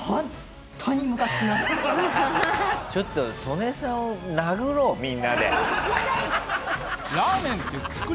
ちょっとソネさんを殴ろうみんなで。